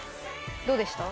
どうでした？